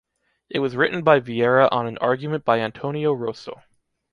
It was written by Viera on an argument by Antonio Rosso.